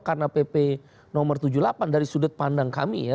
karena pp nomor tujuh puluh delapan dari sudut pandang kami ya